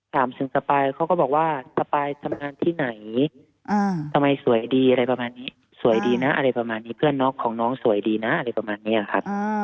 ถามถึงสปายเขาก็บอกว่าสปายทำงานที่ไหนทำไมสวยดีอะไรประมาณนี้สวยดีนะอะไรประมาณนี้เพื่อนน้องของน้องสวยดีนะอะไรประมาณนี้ครับ